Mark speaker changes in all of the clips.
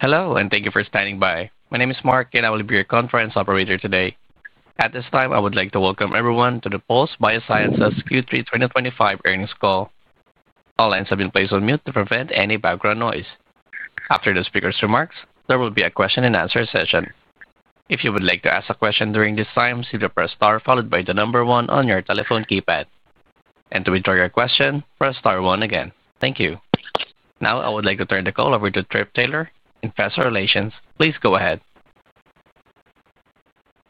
Speaker 1: Hello, and thank you for standing by. My name is Mark, and I will be your conference operator today. At this time, I would like to welcome everyone to the Pulse Biosciences Q3 2025 Earnings Call. All lines have been placed on mute to prevent any background noise. After the speaker's remarks, there will be a question-and-answer session. If you would like to ask a question during this time, please press star followed by the number one on your telephone keypad. To withdraw your question, press star one again. Thank you. Now, I would like to turn the call over to Philip Taylor, Investor Relations. Please go ahead.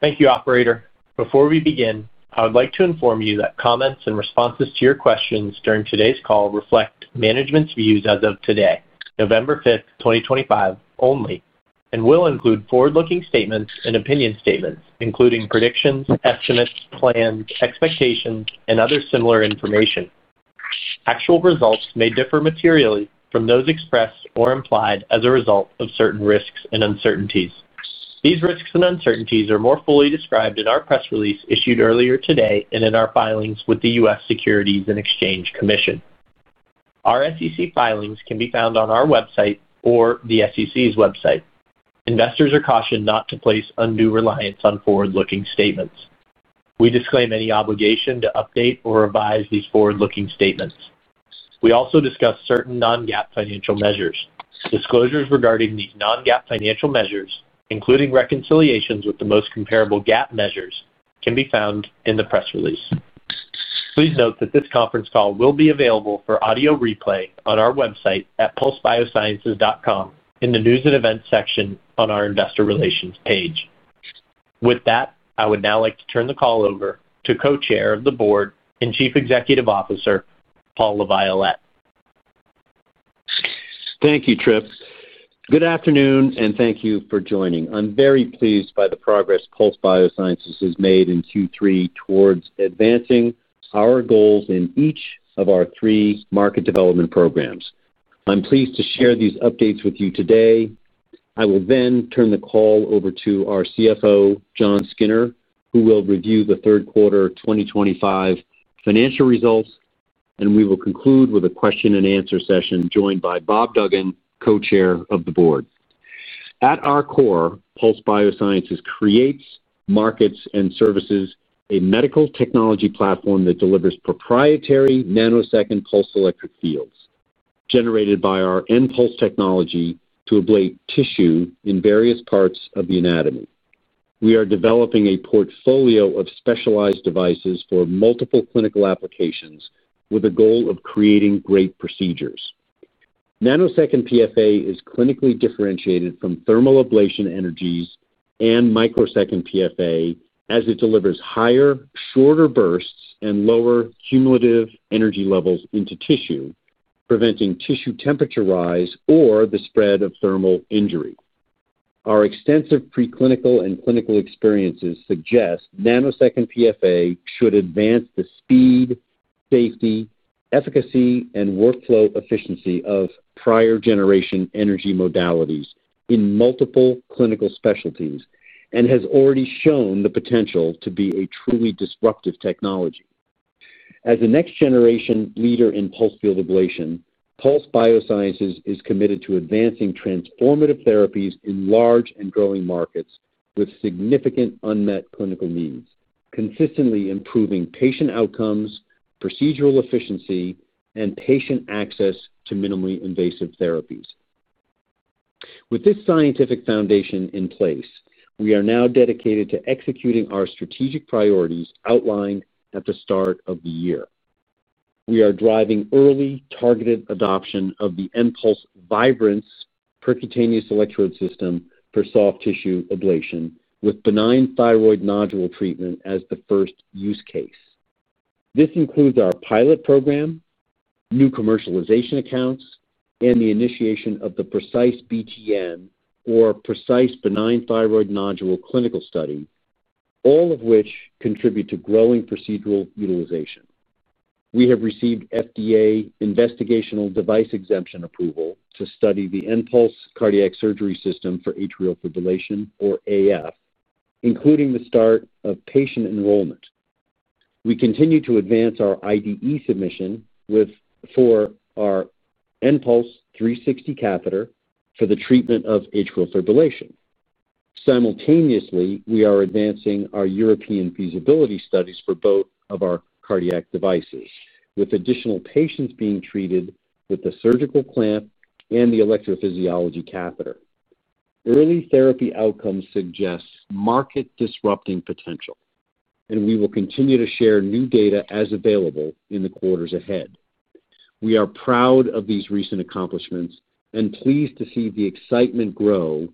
Speaker 2: Thank you, Operator. Before we begin, I would like to inform you that comments and responses to your questions during today's call reflect management's views as of today, November 5th, 2025, only, and will include forward-looking statements and opinion statements, including predictions, estimates, plans, expectations, and other similar information. Actual results may differ materially from those expressed or implied as a result of certain risks and uncertainties. These risks and uncertainties are more fully described in our press release issued earlier today and in our filings with the U.S. Securities and Exchange Commission. Our SEC filings can be found on our website or the SEC's website. Investors are cautioned not to place undue reliance on forward-looking statements. We disclaim any obligation to update or revise these forward-looking statements. We also discuss certain non-GAAP financial measures. Disclosures regarding these non-GAAP financial measures, including reconciliations with the most comparable GAAP measures, can be found in the press release. Please note that this conference call will be available for audio replay on our website at pulsebiosciences.com in the news and events section on our Investor Relations page. With that, I would now like to turn the call over to Co-Chair of the Board and Chief Executive Officer, Paul LaViolette.
Speaker 3: Thank you, Tripp. Good afternoon, and thank you for joining. I'm very pleased by the progress Pulse Biosciences has made in Q3 towards advancing our goals in each of our three market development programs. I'm pleased to share these updates with you today. I will then turn the call over to our CFO, Jon Skinner, who will review the third quarter 2025 financial results, and we will conclude with a question-and-answer session joined by Bob Duggan, Co-Chair of the Board. At our core, Pulse Biosciences creates, markets, and services a medical technology platform that delivers proprietary nanosecond pulsed electric fields generated by our M-Pulse Technology to ablate tissue in various parts of the anatomy. We are developing a portfolio of specialized devices for multiple clinical applications with a goal of creating great procedures. Nanosecond PFA is clinically differentiated from thermal ablation energies and microsecond PFA as it delivers higher, shorter bursts and lower cumulative energy levels into tissue, preventing tissue temperature rise or the spread of thermal injury. Our extensive preclinical and clinical experiences suggest nanosecond PFA should advance the speed, safety, efficacy, and workflow efficiency of prior-generation energy modalities in multiple clinical specialties and has already shown the potential to be a truly disruptive technology. As a next-generation leader in pulsed field ablation, Pulse Biosciences is committed to advancing transformative therapies in large and growing markets with significant unmet clinical needs, consistently improving patient outcomes, procedural efficiency, and patient access to minimally invasive therapies. With this scientific foundation in place, we are now dedicated to executing our strategic priorities outlined at the start of the year. We are driving early targeted adoption of the M-Pulse Vibrance percutaneous electrode system for soft tissue ablation with benign thyroid nodule treatment as the first use case. This includes our pilot program, new commercialization accounts, and the initiation of the PRECISE BTN, or Precise Benign Thyroid Nodule, clinical study, all of which contribute to growing procedural utilization. We have received FDA investigational device exemption approval to study the M-Pulse cardiac surgical system for atrial fibrillation, or AF, including the start of patient enrollment. We continue to advance our IDE submission for our M-Pulse 360 Catheter for the treatment of atrial fibrillation. Simultaneously, we are advancing our European feasibility studies for both of our cardiac devices, with additional patients being treated with the surgical clamp and the electrophysiology catheter. Early therapy outcomes suggest market-disrupting potential, and we will continue to share new data as available in the quarters ahead. We are proud of these recent accomplishments and pleased to see the excitement grow.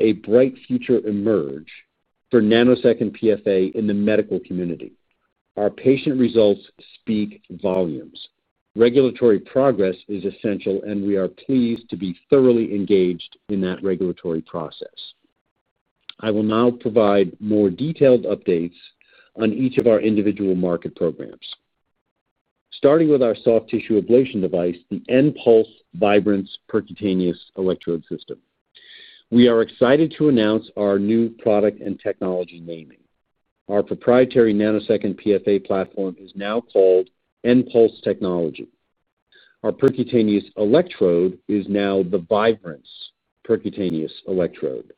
Speaker 3: A bright future emerges for nanosecond PFA in the medical community. Our patient results speak volumes. Regulatory progress is essential, and we are pleased to be thoroughly engaged in that regulatory process. I will now provide more detailed updates on each of our individual market programs. Starting with our soft tissue ablation device, the M-Pulse Vibrance Percutaneous Electrode System, we are excited to announce our new product and technology naming. Our proprietary nanosecond PFA platform is now called M-Pulse Technology. Our percutaneous electrode is now the Vibrance Percutaneous Electrode.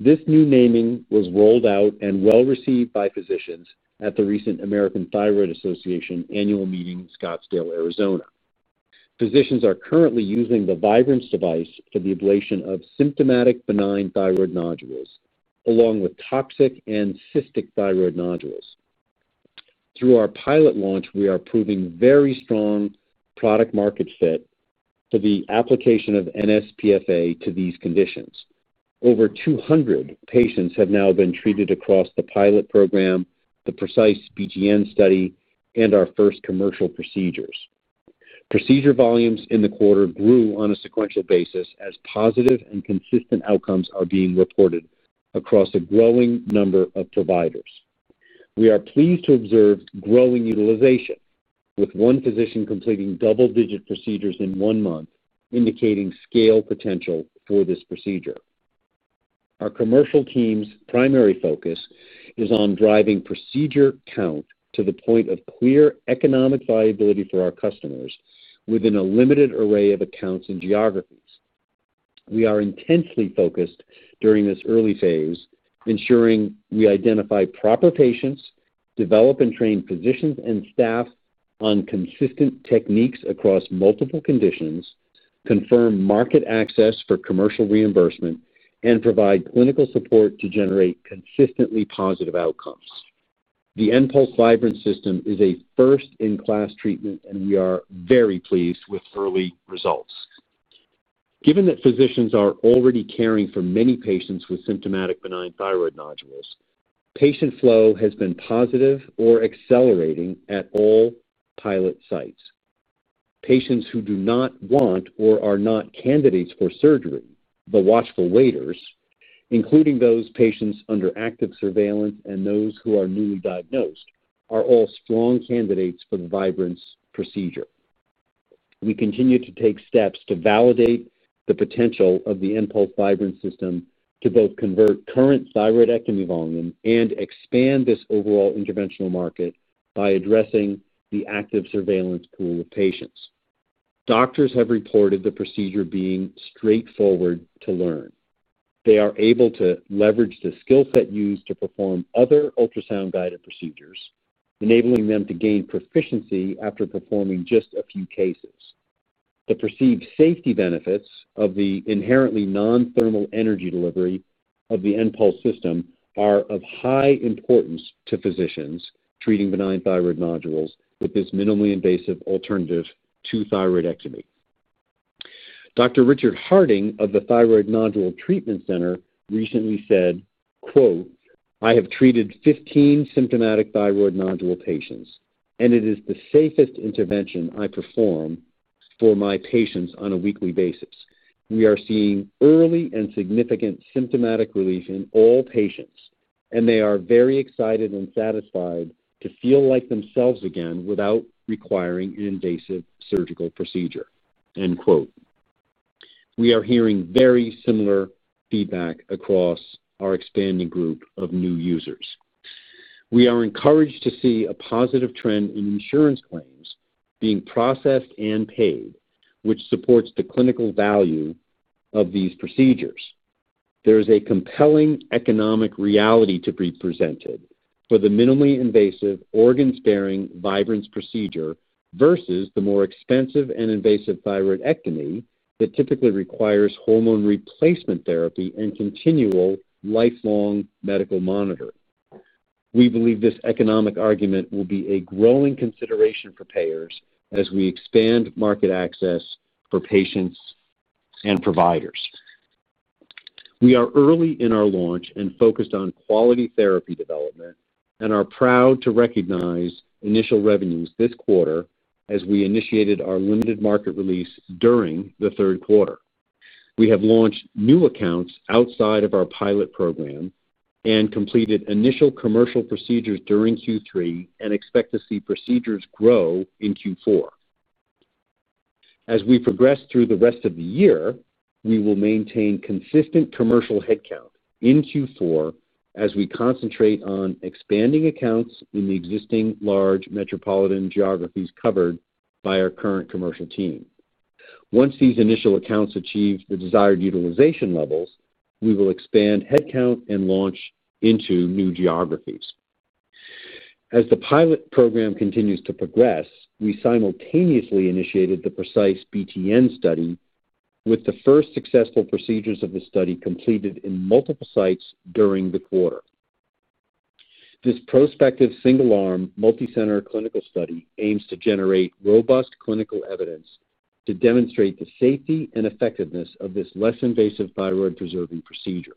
Speaker 3: This new naming was rolled out and well received by physicians at the recent American Thyroid Association annual meeting in Scottsdale, Arizona. Physicians are currently using the Vibrance device for the ablation of symptomatic benign thyroid nodules, along with toxic and cystic thyroid nodules. Through our pilot launch, we are proving very strong product-market fit for the application of NSPFA to these conditions. Over 200 patients have now been treated across the pilot program, the PRECISE BTN study, and our first commercial procedures. Procedure volumes in the quarter grew on a sequential basis as positive and consistent outcomes are being reported across a growing number of providers. We are pleased to observe growing utilization, with one physician completing double-digit procedures in one month, indicating scale potential for this procedure. Our commercial team's primary focus is on driving procedure count to the point of clear economic viability for our customers within a limited array of accounts and geographies. We are intensely focused during this early phase, ensuring we identify proper patients, develop and train physicians and staff on consistent techniques across multiple conditions, confirm market access for commercial reimbursement, and provide clinical support to generate consistently positive outcomes. The M-Pulse Vibrance System is a first-in-class treatment, and we are very pleased with early results. Given that physicians are already caring for many patients with symptomatic benign thyroid nodules, patient flow has been positive or accelerating at all pilot sites. Patients who do not want or are not candidates for surgery, the watchful waiters, including those patients under active surveillance and those who are newly diagnosed, are all strong candidates for the Vibrance procedure. We continue to take steps to validate the potential of the M-Pulse Vibrance System to both convert current Thyroidectomy volume and expand this overall interventional market by addressing the active surveillance pool of patients. Doctors have reported the procedure being straightforward to learn. They are able to leverage the skill set used to perform other ultrasound-guided procedures, enabling them to gain proficiency after performing just a few cases. The perceived safety benefits of the inherently non-thermal energy delivery of the M-Pulse system are of high importance to physicians treating benign thyroid nodules with this minimally invasive alternative to Thyroidectomy. Dr. Richard Harding of the Thyroid Nodule Treatment Center recently said, "I have treated 15 symptomatic thyroid nodule patients, and it is the safest intervention I perform for my patients on a weekly basis. We are seeing early and significant symptomatic relief in all patients, and they are very excited and satisfied to feel like themselves again without requiring an invasive surgical procedure." We are hearing very similar feedback across our expanding group of new users. We are encouraged to see a positive trend in insurance claims being processed and paid, which supports the clinical value of these procedures. There is a compelling economic reality to be presented for the minimally invasive, organ-sparing Vibrance procedure versus the more expensive and invasive Thyroidectomy that typically requires hormone replacement therapy and continual lifelong medical monitoring. We believe this economic argument will be a growing consideration for payers as we expand market access for patients and providers. We are early in our launch and focused on quality therapy development and are proud to recognize initial revenues this quarter as we initiated our limited market release during the third quarter. We have launched new accounts outside of our pilot program and completed initial commercial procedures during Q3 and expect to see procedures grow in Q4. As we progress through the rest of the year, we will maintain consistent commercial headcount in Q4 as we concentrate on expanding accounts in the existing large metropolitan geographies covered by our current commercial team. Once these initial accounts achieve the desired utilization levels, we will expand headcount and launch into new geographies. As the pilot program continues to progress, we simultaneously initiated the PRECISE BTN study, with the first successful procedures of the study completed in multiple sites during the quarter. This prospective single-arm, multicenter clinical study aims to generate robust clinical evidence to demonstrate the safety and effectiveness of this less invasive thyroid-preserving procedure.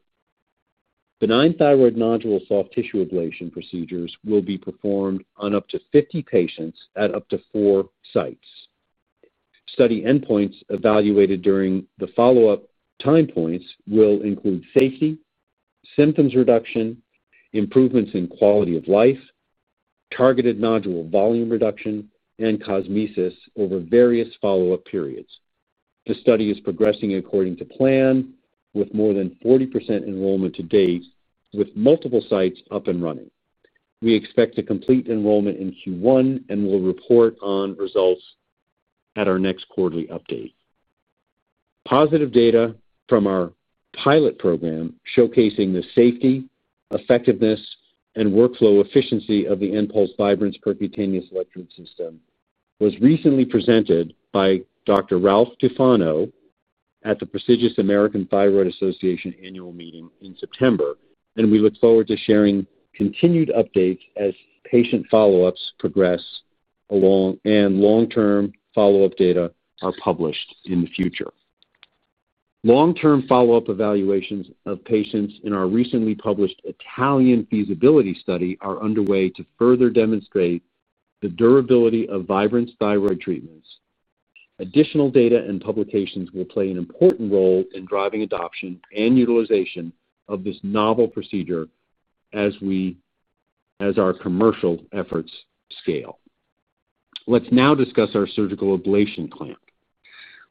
Speaker 3: Benign thyroid nodule soft tissue ablation procedures will be performed on up to 50 patients at up to four sites. Study endpoints evaluated during the follow-up time points will include safety, symptoms reduction, improvements in quality of life, targeted nodule volume reduction, and cosmesis over various follow-up periods. The study is progressing according to plan, with more than 40% enrollment to date, with multiple sites up and running. We expect to complete enrollment in Q1 and will report on results at our next quarterly update. Positive data from our pilot program showcasing the safety, effectiveness, and workflow efficiency of the M-Pulse Vibrance Percutaneous Electrode System was recently presented by Dr. Ralph Tufano at the prestigious American Thyroid Association annual meeting in September, and we look forward to sharing continued updates as patient follow-ups progress. Long-term follow-up data are published in the future. Long-term follow-up evaluations of patients in our recently published Italian feasibility study are underway to further demonstrate the durability of Vibrance thyroid treatments. Additional data and publications will play an important role in driving adoption and utilization of this novel procedure as our commercial efforts scale. Let's now discuss our surgical ablation clamp.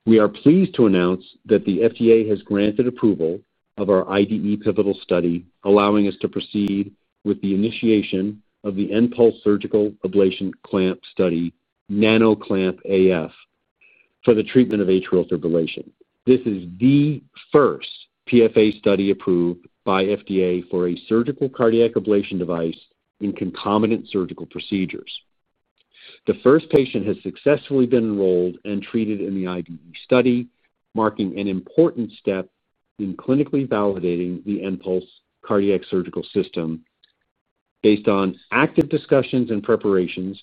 Speaker 3: We are pleased to announce that the FDA has granted approval of our IDE pivotal study, allowing us to proceed with the initiation of the M-Pulse surgical ablation clamp study, NANOCLAMP AF, for the treatment of atrial fibrillation. This is the first PFA study approved by FDA for a surgical cardiac ablation device in concomitant surgical procedures. The first patient has successfully been enrolled and treated in the IDE study, marking an important step in clinically validating the M-Pulse Cardiac Surgical System. Based on active discussions and preparations,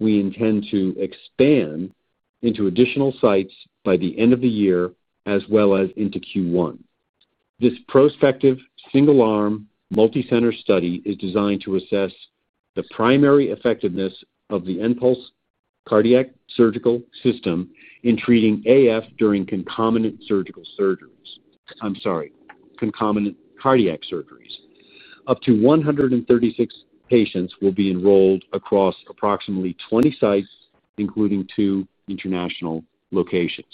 Speaker 3: we intend to expand into additional sites by the end of the year, as well as into Q1. This prospective single-arm, multicenter study is designed to assess the primary effectiveness of the M-Pulse Cardiac Surgical System in treating AF during concomitant cardiac surgeries. Up to 136 patients will be enrolled across approximately 20 sites, including two international locations.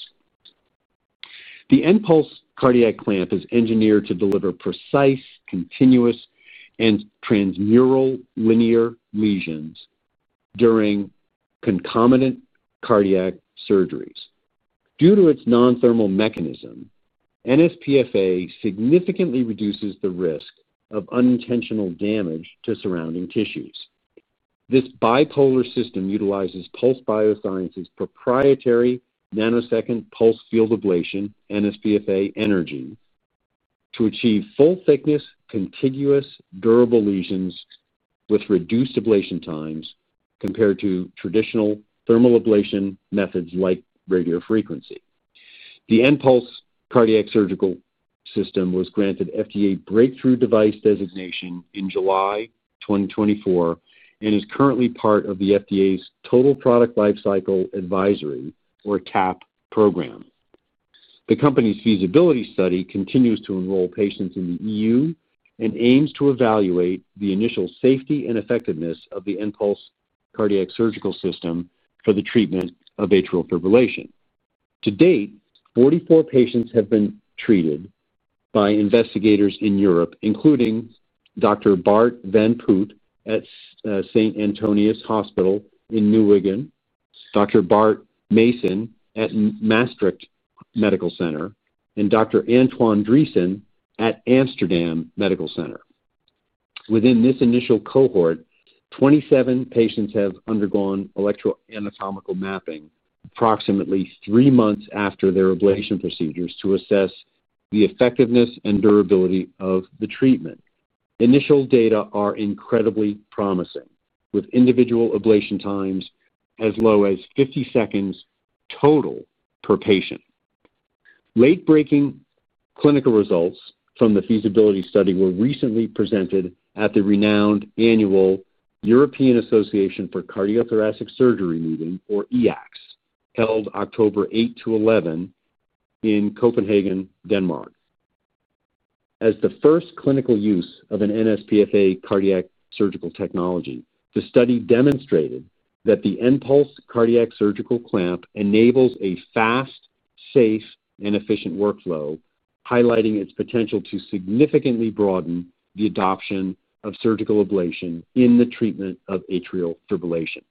Speaker 3: The M-Pulse cardiac clamp is engineered to deliver precise, continuous, and transmural linear lesions during concomitant cardiac surgeries. Due to its non-thermal mechanism, NSPFA significantly reduces the risk of unintentional damage to surrounding tissues. This bipolar system utilizes Pulse Biosciences' proprietary nanosecond pulsed field ablation NSPFA energy to achieve full-thickness, contiguous, durable lesions with reduced ablation times compared to traditional thermal ablation methods like radiofrequency. The M-Pulse Cardiac Surgical System was granted FDA Breakthrough Device Designation in July 2024 and is currently part of the FDA's Total Product Lifecycle Advisory, or TAP, program. The company's feasibility study continues to enroll patients in the EU and aims to evaluate the initial safety and effectiveness of the M-Pulse Cardiac Surgical System for the treatment of atrial fibrillation. To date, 44 patients have been treated by investigators in Europe, including Dr. Bart van Putte at St. Antonius Hospital in Nieuwegein, Dr. Bart Maesen at Maastricht Medical Center, and Dr. Antoine Driessen at Amsterdam Medical Center. Within this initial cohort, 27 patients have undergone electroanatomical mapping approximately three months after their ablation procedures to assess the effectiveness and durability of the treatment. Initial data are incredibly promising, with individual ablation times as low as 50 seconds total per patient. Late-breaking clinical results from the feasibility study were recently presented at the renowned annual European Association for Cardiothoracic Surgery meeting, or EACTS, held October 8 to 11 in Copenhagen, Denmark. As the first clinical use of an NSPFA cardiac surgical technology, the study demonstrated that the M-Pulse Cardiac Surgical System enables a fast, safe, and efficient workflow, highlighting its potential to significantly broaden the adoption of surgical ablation in the treatment of atrial fibrillation.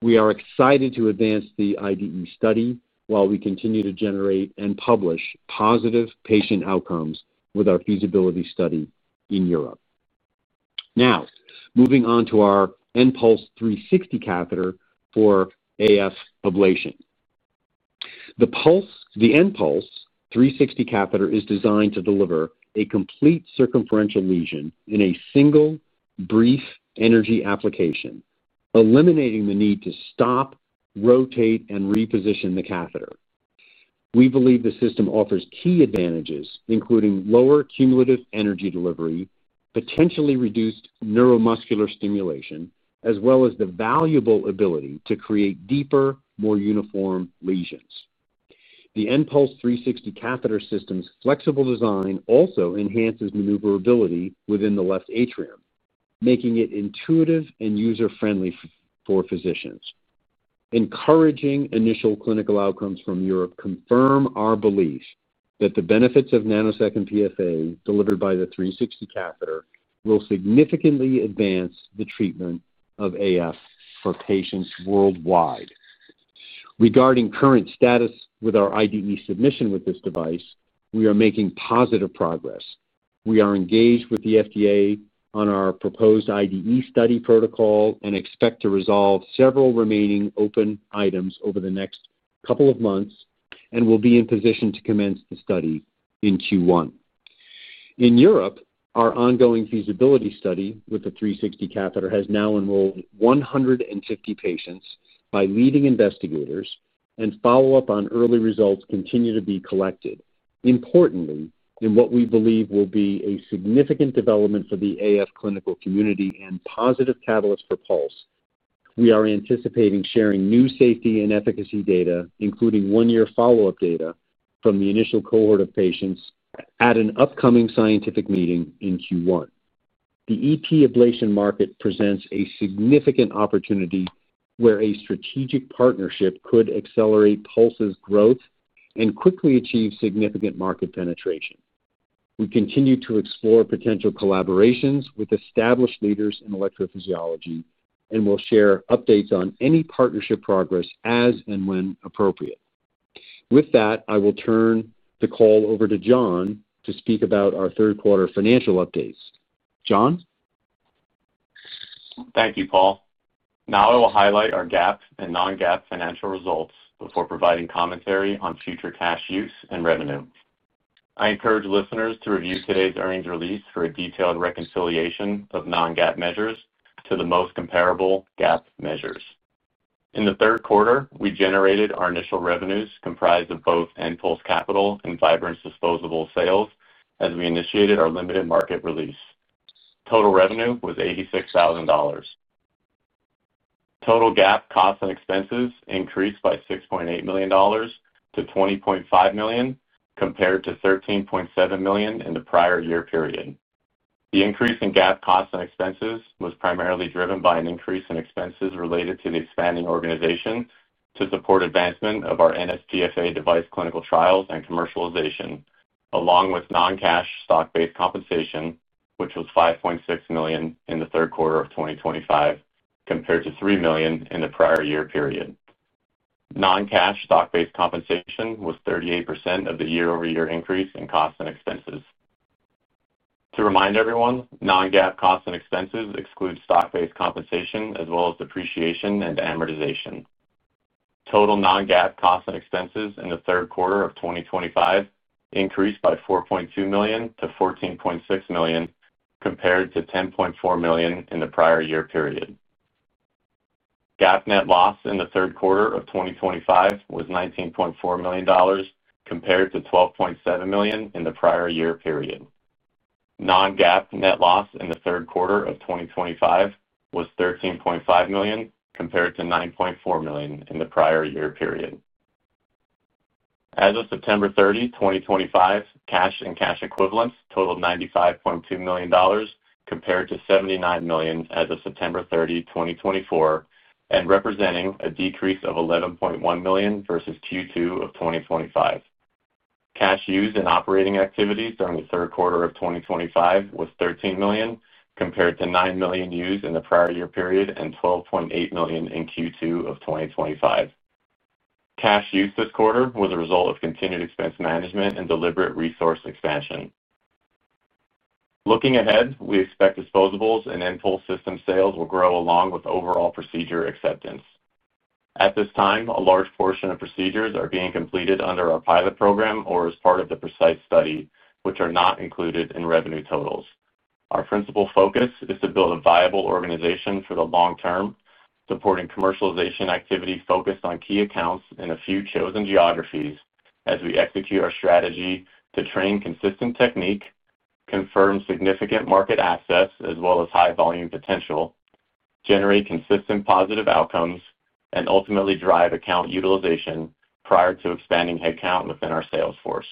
Speaker 3: We are excited to advance the IDE study while we continue to generate and publish positive patient outcomes with our feasibility study in Europe. Now, moving on to our M-Pulse 360 Catheter for AF ablation. The M-Pulse 360 Catheter is designed to deliver a complete circumferential lesion in a single, brief energy application, eliminating the need to stop, rotate, and reposition the catheter. We believe the system offers key advantages, including lower cumulative energy delivery, potentially reduced neuromuscular stimulation, as well as the valuable ability to create deeper, more uniform lesions. The M-Pulse 360 catheter system's flexible design also enhances maneuverability within the left atrium, making it intuitive and user-friendly for physicians. Encouraging initial clinical outcomes from Europe confirm our belief that the benefits of nanosecond PFA delivered by the 360 Catheter will significantly advance the treatment of AF for patients worldwide. Regarding current status with our IDE submission with this device, we are making positive progress. We are engaged with the FDA on our proposed IDE study protocol and expect to resolve several remaining open items over the next couple of months and will be in position to commence the study in Q1. In Europe, our ongoing feasibility study with the 360 Catheter has now enrolled 150 patients by leading investigators, and follow-up on early results continue to be collected. Importantly, in what we believe will be a significant development for the AF clinical community and positive catalyst for Pulse, we are anticipating sharing new safety and efficacy data, including one-year follow-up data from the initial cohort of patients, at an upcoming scientific meeting in Q1. The EP ablation market presents a significant opportunity where a strategic partnership could accelerate Pulse's growth and quickly achieve significant market penetration. We continue to explore potential collaborations with established leaders in electrophysiology and will share updates on any partnership progress as and when appropriate. With that, I will turn the call over to Jon to speak about our third quarter financial updates. Jon?
Speaker 4: Thank you, Paul. Now, I will highlight our GAAP and non-GAAP financial results before providing commentary on future cash use and revenue. I encourage listeners to review today's earnings release for a detailed reconciliation of non-GAAP measures to the most comparable GAAP measures. In the third quarter, we generated our initial revenues comprised of both N-Pulse Capital and Vibrance disposable sales as we initiated our limited market release. Total revenue was $86,000. Total GAAP costs and expenses increased by $6.8 million to $20.5 million compared to $13.7 million in the prior year period. The increase in GAAP costs and expenses was primarily driven by an increase in expenses related to the expanding organization to support advancement of our NSPFA device clinical trials and commercialization, along with non-cash stock-based compensation, which was $5.6 million in the third quarter of 2025 compared to $3 million in the prior year period. Non-cash stock-based compensation was 38% of the year-over-year increase in costs and expenses. To remind everyone, non-GAAP costs and expenses exclude stock-based compensation as well as depreciation and amortization. Total non-GAAP costs and expenses in the third quarter of 2025 increased by $4.2 million to $14.6 million compared to $10.4 million in the prior year period. GAAP net loss in the third quarter of 2025 was $19.4 million compared to $12.7 million in the prior year period. Non-GAAP net loss in the third quarter of 2025 was $13.5 million compared to $9.4 million in the prior year period. As of September 30, 2025, cash and cash equivalents totaled $95.2 million compared to $79 million as of September 30, 2024, and representing a decrease of $11.1 million versus Q2 of 2025. Cash used in operating activities during the third quarter of 2025 was $13 million compared to $9 million used in the prior year period and $12.8 million in Q2 of 2025. Cash used this quarter was a result of continued expense management and deliberate resource expansion. Looking ahead, we expect disposables and N-Pulse system sales will grow along with overall procedure acceptance. At this time, a large portion of procedures are being completed under our pilot program or as part of the PRECISE study, which are not included in revenue totals. Our principal focus is to build a viable organization for the long term, supporting commercialization activity focused on key accounts in a few chosen geographies as we execute our strategy to train consistent technique, confirm significant market assets as well as high volume potential. Generate consistent positive outcomes, and ultimately drive account utilization prior to expanding headcount within our sales force.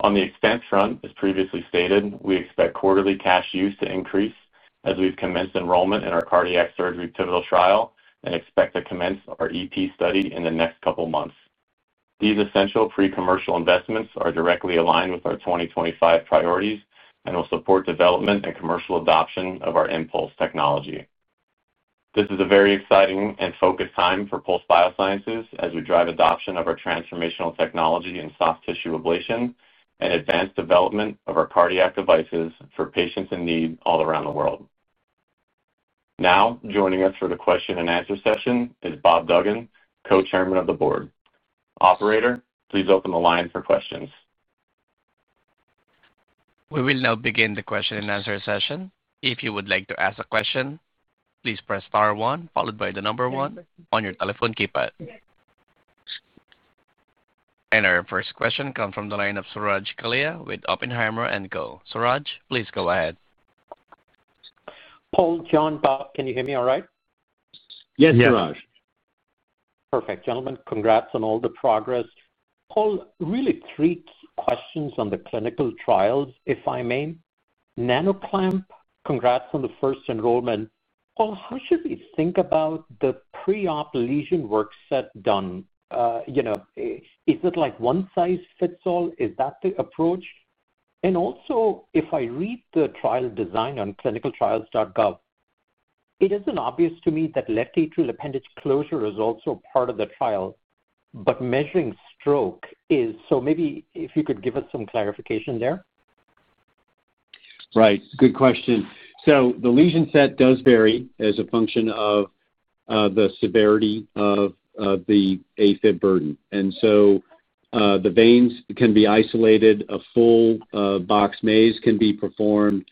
Speaker 4: On the expense front, as previously stated, we expect quarterly cash use to increase as we've commenced enrollment in our cardiac surgery pivotal trial and expect to commence our EP study in the next couple of months. These essential pre-commercial investments are directly aligned with our 2025 priorities and will support development and commercial adoption of our N-Pulse technology. This is a very exciting and focused time for Pulse Biosciences as we drive adoption of our transformational technology in soft tissue ablation and advanced development of our cardiac devices for patients in need all around the world. Now, joining us for the question and answer session is Bob Duggan, Co-Chair of the Board. Operator, please open the line for questions.
Speaker 1: We will now begin the question and answer session. If you would like to ask a question, please press star one, followed by the number one on your telephone keypad. Our first question comes from the line of Suraj Kalia with Oppenheimer & Co. Suraj, please go ahead.
Speaker 5: Paul, Jon, Bob, can you hear me all right?
Speaker 3: Yes, Suraj.
Speaker 5: Perfect. Gentlemen, congrats on all the progress. Paul, really three questions on the clinical trials, if I may. NANOCLAMP, congrats on the first enrollment. Paul, how should we think about the pre-op lesion work set done? Is it like one size fits all? Is that the approach? Also, if I read the trial design on clinicaltrials.gov, it is not obvious to me that left atrial appendage closure is also part of the trial, but measuring stroke is—so maybe if you could give us some clarification there. Right.
Speaker 3: Good question. The lesion set does vary as a function of the severity of the AFib burden. The veins can be isolated. A full box maze can be performed.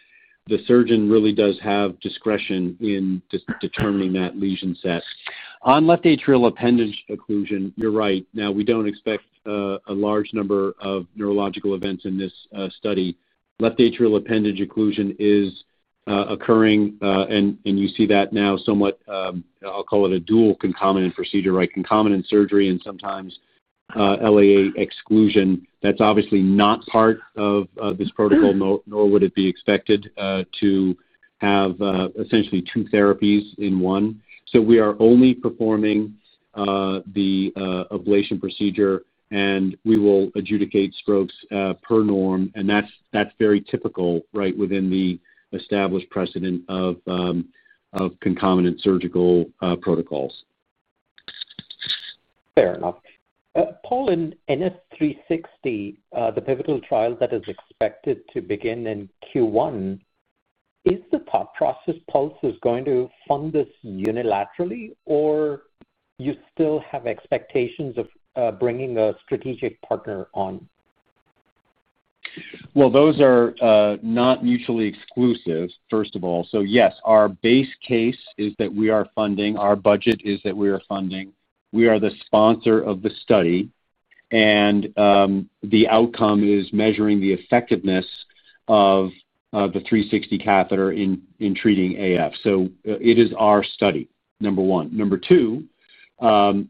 Speaker 3: The surgeon really does have discretion in determining that lesion set. On left atrial appendage occlusion, you're right. Now, we don't expect a large number of neurological events in this study. Left atrial appendage occlusion is occurring, and you see that now somewhat—I'll call it a dual concomitant procedure, right? Concomitant surgery and sometimes LAA exclusion. That's obviously not part of this protocol, nor would it be expected to have essentially two therapies in one. We are only performing the ablation procedure, and we will adjudicate strokes per norm. That's very typical, right, within the established precedent of concomitant surgical protocols.
Speaker 5: Fair enough. Paul, in NS360, the pivotal trial that is expected to begin in Q1, is the thought process Pulse is going to fund this unilaterally, or you still have expectations of bringing a strategic partner on?
Speaker 6: Those are not mutually exclusive, first of all. Yes, our base case is that we are funding. Our budget is that we are funding. We are the sponsor of the study, and the outcome is measuring the effectiveness of the 360 Catheter in treating AF. It is our study, number one. Number two,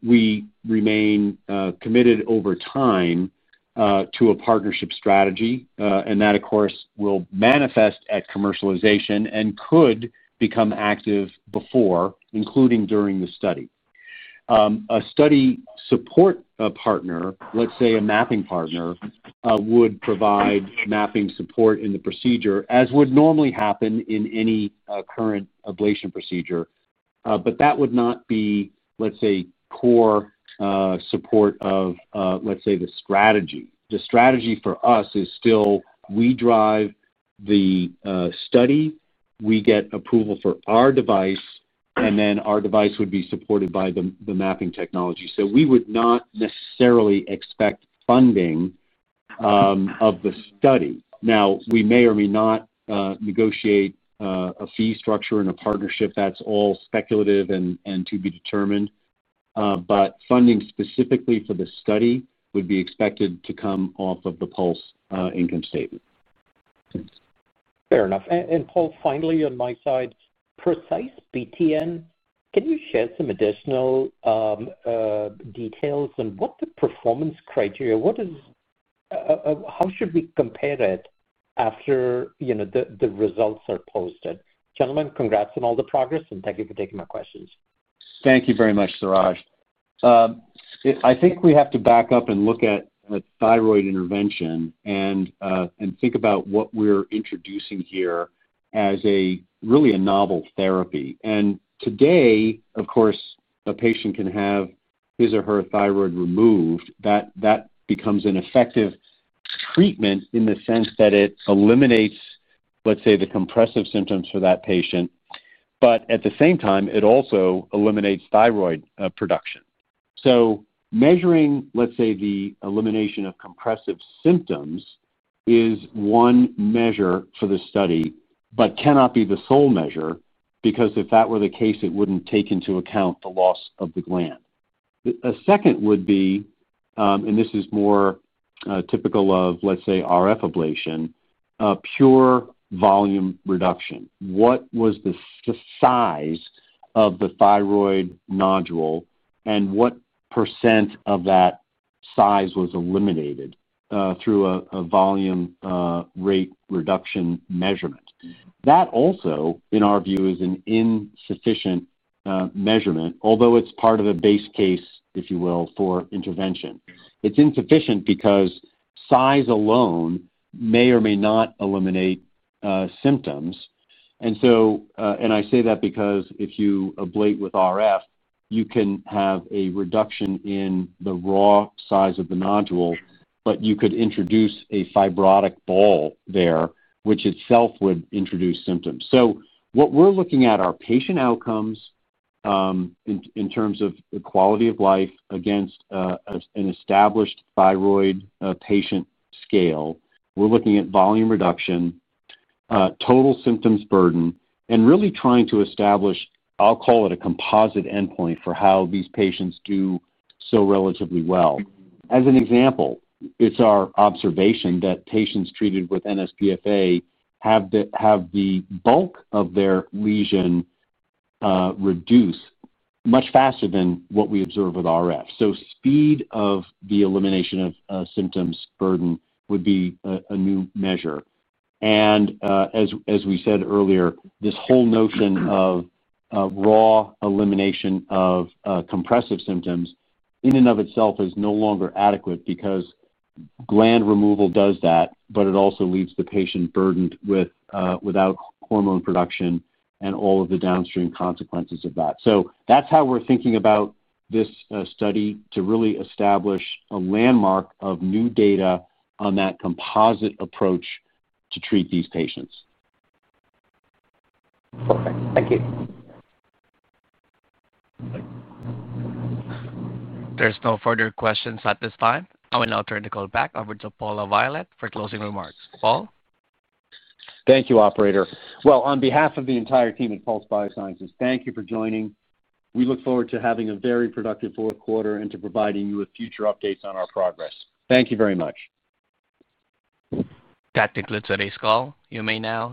Speaker 6: we remain committed over time to a partnership strategy, and that, of course, will manifest at commercialization and could become active before, including during the study. A study support partner, let's say a mapping partner, would provide mapping support in the procedure, as would normally happen in any current ablation procedure, but that would not be, let's say, core support of, let's say, the strategy. The strategy for us is still we drive the study, we get approval for our device, and then our device would be supported by the mapping technology. We would not necessarily expect funding of the study. Now, we may or may not negotiate a fee structure in a partnership. That is all speculative and to be determined. Funding specifically for the study would be expected to come off of the Pulse income statement.
Speaker 5: Fair enough. Paul, finally, on my side, PRECISE BTN, can you share some additional details on what the performance criteria—how should we compare it after the results are posted? Gentlemen, congrats on all the progress, and thank you for taking my questions.
Speaker 3: Thank you very much, Suraj. I think we have to back up and look at thyroid intervention and think about what we are introducing here as really a novel therapy. Today, of course, a patient can have his or her thyroid removed. That becomes an effective treatment in the sense that it eliminates, let us say, the compressive symptoms for that patient. At the same time, it also eliminates thyroid production. Measuring, let's say, the elimination of compressive symptoms is one measure for the study but cannot be the sole measure because if that were the case, it would not take into account the loss of the gland. A second would be, and this is more typical of, let's say, RF ablation, pure volume reduction. What was the size of the thyroid nodule, and what % of that size was eliminated through a volume rate reduction measurement? That also, in our view, is an insufficient measurement, although it is part of a base case, if you will, for intervention. It is insufficient because size alone may or may not eliminate symptoms. I say that because if you ablate with RF, you can have a reduction in the raw size of the nodule, but you could introduce a fibrotic ball there, which itself would introduce symptoms. What we are looking at are patient outcomes. In terms of the quality of life against an established thyroid patient scale, we are looking at volume reduction, total symptoms burden, and really trying to establish, I'll call it a composite endpoint for how these patients do so relatively well. As an example, it is our observation that patients treated with NSPFA have the bulk of their lesion reduced much faster than what we observe with RF. Speed of the elimination of symptoms burden would be a new measure. As we said earlier, this whole notion of raw elimination of compressive symptoms in and of itself is no longer adequate because. Gland removal does that, but it also leaves the patient burdened without hormone production and all of the downstream consequences of that. So that's how we're thinking about this study, to really establish a landmark of new data on that composite approach to treat these patients.
Speaker 5: Perfect. Thank you.
Speaker 1: There's no further questions at this time. I will now turn the call back over to Paul LaViolette for closing remarks. Paul?
Speaker 3: Thank you, Operator. On behalf of the entire team at Pulse Biosciences, thank you for joining. We look forward to having a very productive quarter and to providing you with future updates on our progress. Thank you very much.
Speaker 1: That concludes today's call. You may now.